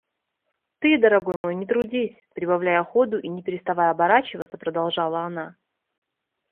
– Ты, дорогой мой, не трудись! – прибавляя ходу и не переставая оборачиваться, продолжала она.